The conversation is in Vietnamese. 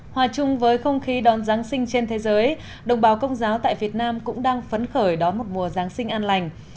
hòa chung với không khí đón giáng sinh trên thế giới đồng bào công giáo tại việt nam cũng đang phấn khởi đón một mùa giáng sinh an lành